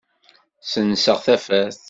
Ssenseɣ tafat.